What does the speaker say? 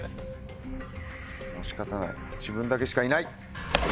もう仕方ない自分だけしかいない！